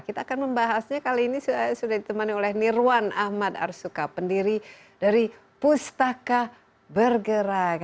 kita akan membahasnya kali ini sudah ditemani oleh nirwan ahmad arsuka pendiri dari pustaka bergerak